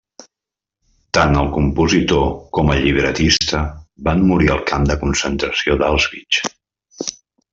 Tant el compositor com el llibretista van morir al camp de concentració d'Auschwitz.